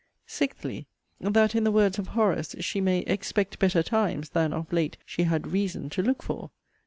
SIXTHLY, That in the words of Horace, she may 'expect better times,' than (of late) she had 'reason' to look for.